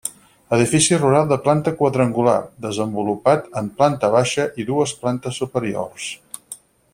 Edifici rural de planta quadrangular, desenvolupat en planta baixa i dues plantes superiors.